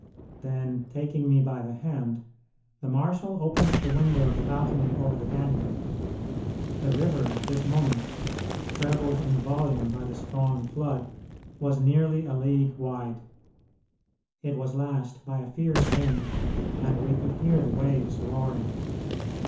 Then, taking me by the hand, the marshal opened the window of the balcony over the Danube. The river at this moment, trebled in volume by the strong flood, was nearly a league wide; it was lashed by a fierce wind, and we could hear the waves roaring.